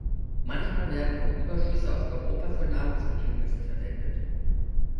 Manchmal werden auch Überschüsse aus Europa für Nahrungsmittelhilfe verwendet.